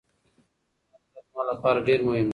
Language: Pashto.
ستا نظر زما لپاره ډېر مهم دی.